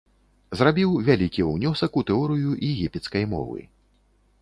Зрабіў вялікі ўнёсак у тэорыю егіпецкай мовы.